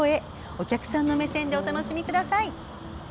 お客さんの目線でお楽しみください。